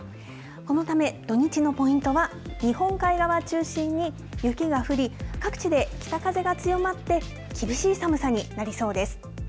そのため土日のポイントは、日本海側を中心に雪が降り、各地で北風が強まって、厳しい寒さになりそうです。